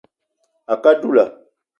A kə á dula